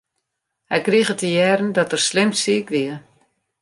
Hy krige te hearren dat er slim siik wie.